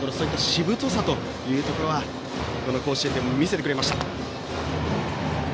しぶとさというところはこの甲子園で見せてくれました。